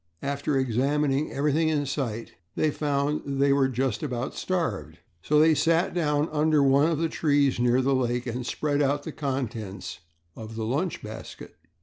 After examining everything in sight they found that they were just about starved, so they sat down under one of the trees near the lake and spread out the contents of the lunch basket.